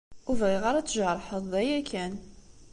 Ur bɣiɣ ara ad tjerḥeḍ, d aya kan.